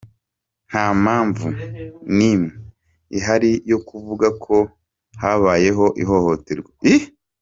Nta mpamvu n’imwe ihari yo kuvuga ko habayeho ihohoterwa.”